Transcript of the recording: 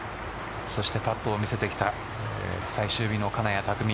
そしてパットを見せてきた最終日の金谷拓実。